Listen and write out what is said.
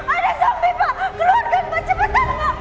ada zombie pak keluarkan pak cepetan pak